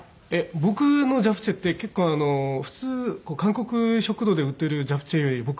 僕のチャプチェって結構普通韓国食堂で売ってるチャプチェより僕